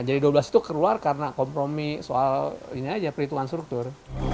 jadi dua belas itu keluar karena kompromi soal perhitungan struktur